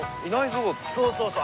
そうそうそう。